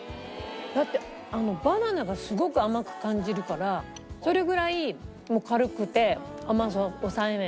だってバナナがすごく甘く感じるからそれぐらい軽くて甘さ抑えめ。